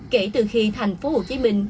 kể từ khi thành phố hồ chí minh